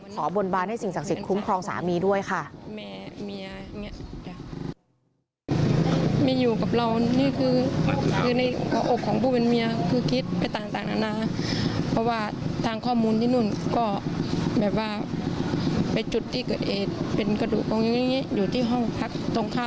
บนบานให้สิ่งศักดิ์สิทธิคุ้มครองสามีด้วยค่ะ